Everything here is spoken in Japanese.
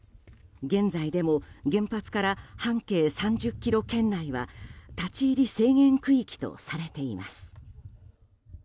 現在でも原発から半径３０ｋｍ圏内は立ち入り制限区域とされています。